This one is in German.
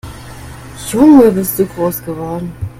Junge, bist du groß geworden!